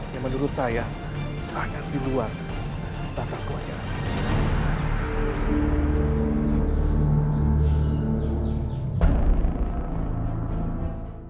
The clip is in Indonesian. yang menurut saya sangat diluar batas kewajaran